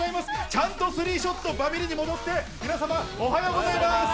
ちゃんとスリーショット、バミリに戻って、皆様、おはようございます。